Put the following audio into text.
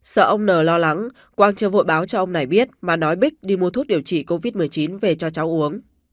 sợ ông n lo lắng quang chơi vội báo cho ông này biết mà nói bích đi mua thuốc điều trị covid một mươi chín về cho cháu uống